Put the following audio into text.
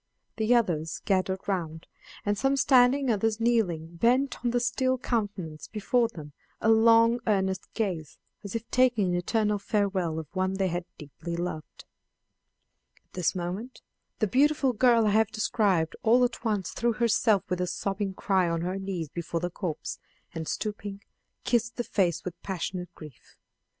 The others gathered round, and some standing, others kneeling, bent on the still countenance before them a long earnest gaze, as if taking an eternal farewell of one they had deeply loved. At this moment the the beautiful girl I have described all at once threw herself with a sobbing cry on her knees before the corpse, and, stooping, kissed the face with passionate grief.